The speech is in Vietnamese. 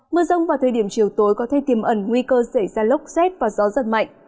mưa rông vào thời điểm chiều tối có thể tiềm ẩn nguy cơ xảy ra lốc xét và gió giật mạnh